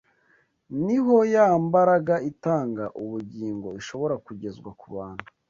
ni ho ya mbaraga itanga ubugingo ishobora kugezwa ku bantu